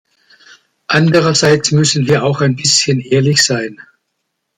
Andererseits müssen wir auch ein bisschen ehrlich sein.